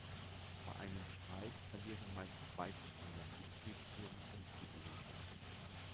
Bei einem Streik verlieren meist beide „Spieler“, die Betriebsführung und die Belegschaft.